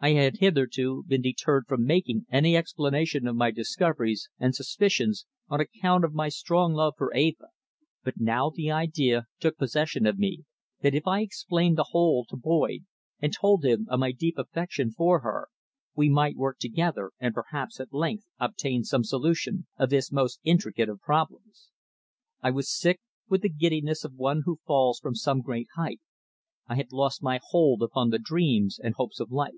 I had hitherto been deterred from making any explanation of my discoveries and suspicions on account of my strong love for Eva, but now the idea took possession of me that if I explained the whole to Boyd and told him of my deep affection for her, we might work together, and perhaps at length obtain some solution of this most intricate of problems. I was sick with the giddiness of one who falls from some great height. I had lost my hold upon the dreams and hopes of life.